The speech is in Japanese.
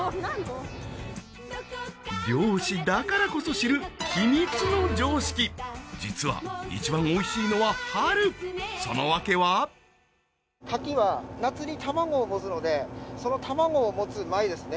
漁師だからこそ知るヒミツの常識実は一番美味しいのは春その訳はカキは夏に卵を持つのでその卵を持つ前ですね。